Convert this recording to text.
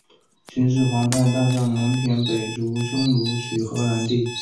秦始皇派大将蒙恬北逐匈奴取河南地。